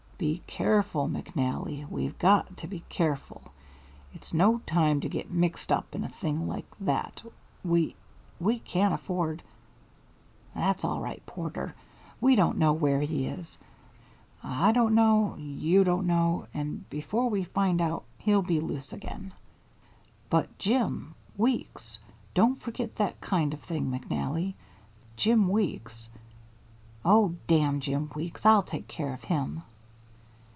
"Be careful, McNally, we've got to be careful. It's no time to get mixed up in a thing like that we we can't afford " "That's all right, Porter. We don't know where he is I don't know, you don't know and before we find out he'll be loose again." "But Jim Weeks don't forget that kind of thing, McNally Jim Weeks " "Oh, damn Jim Weeks! I'll take care of him."